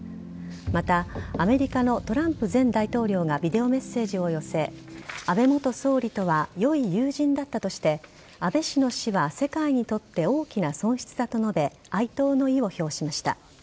またアメリカのトランプ前大統領がビデオメッセージを寄せ安倍元総理とは良い友人だったとして安倍氏の死は世界にとって大きな損失だと述べ哀悼の意を表しました。